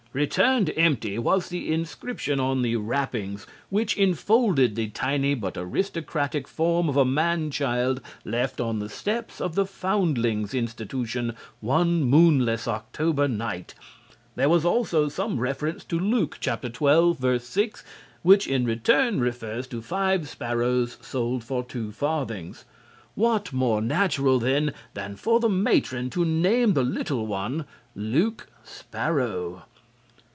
"Returned Empty" was the inscription on the wrappings which enfolded the tiny but aristocratic form of a man child left on the steps of the Foundlings Institution one moonless October night. There was also some reference to Luke, xii., 6, which in return refers to five sparrows sold for two farthings. What more natural, then, than for the matron to name the little one Luke Sparrow?